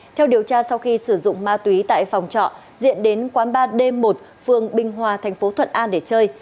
theo điều tra sau khi sử dụng ma túy tại phòng trọ diện đến quán ba d một phường bình hòa thành phố thuận an để chơi